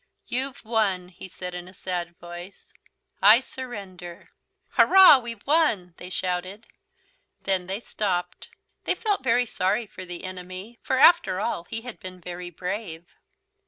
"You've won," he said in a sad voice. "I surrender." "Hurrah, we've won!" they shouted. Then they stopped. They felt very sorry for the enemy, for after all he had been very brave.